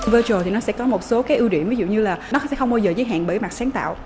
virtual sẽ có một số ưu điểm ví dụ như là nó sẽ không bao giờ giới hạn bởi mặt sáng tạo